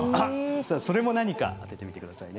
それも何か当ててみてくださいね。